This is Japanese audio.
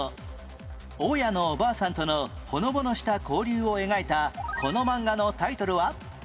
大家のおばあさんとのほのぼのした交流を描いたこの漫画のタイトルは？